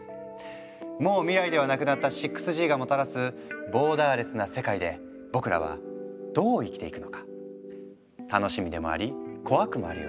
もう未来ではなくなった６Ｇがもたらすボーダーレスな世界で僕らはどう生きていくのか楽しみでもあり怖くもあるよね。